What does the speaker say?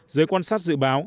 dưới quan sát dự báo